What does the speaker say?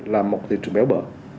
là một thị trường béo bở